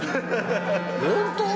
本当？